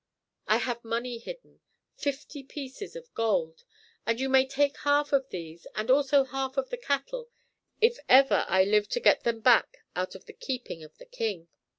I have money hidden, fifty pieces of gold, and you may take half of these and also half of the cattle if ever I live to get them back out of the keeping of the king."